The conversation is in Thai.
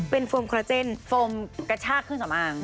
เป็นโฟมคลาเจนโฟมกระชากเครื่องสำอาง